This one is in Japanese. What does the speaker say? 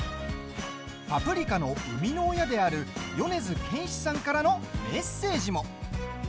「パプリカ」の生みの親である米津玄師さんからのメッセージも。